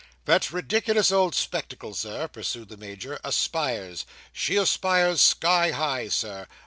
"That ridiculous old spectacle, Sir," pursued the Major, "aspires. She aspires sky high, Sir.